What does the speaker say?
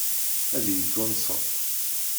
Ad iyi-twanseḍ?